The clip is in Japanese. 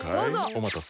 おまたせ。